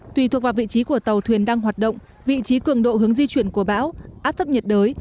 tùy thuộc vào vị trí của tàu thuyền đang hoạt động vị trí cường độ hướng di chuyển của bão áp thấp nhiệt đới